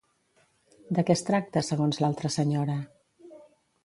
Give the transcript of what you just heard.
De què es tracta, segons l'altra senyora?